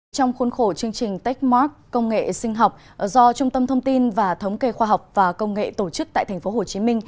trong khuôn khổ chương trình techmark công nghệ sinh học do trung tâm thông tin và thống kê khoa học và công nghệ tổ chức tại tp hcm